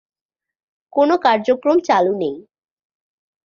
কোন কার্যক্রম চালু নেই।